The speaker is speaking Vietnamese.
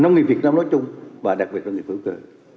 nông nghiệp việt nam nói chung và đặc biệt nông nghiệp hữu cơ